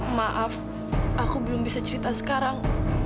maaf aku belum bisa cerita sekarang